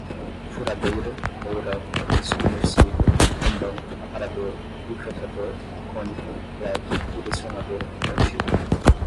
furadeira, mourão, submersível, cambão, aparador, microtrator, cônico, leque, direcionador, gatilho